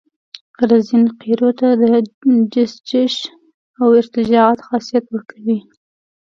رزین قیرو ته د چسپش او ارتجاعیت خاصیت ورکوي